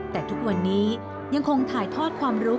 แต่ทุกวันนี้ยังคงถ่ายทอดความรู้